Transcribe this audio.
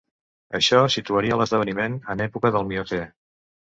Això situaria l'esdeveniment en l'època del Miocè.